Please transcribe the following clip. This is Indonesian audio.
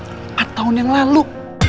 empat tahun yang lalu